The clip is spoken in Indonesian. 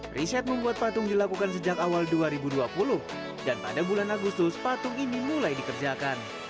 riset membuat patung dilakukan sejak awal dua ribu dua puluh dan pada bulan agustus patung ini mulai dikerjakan